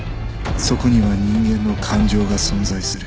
そこには人間の感情が存在する